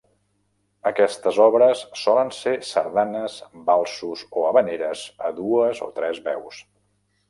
Aquestes obres solen ser sardanes, valsos o havaneres a dues o tres veus.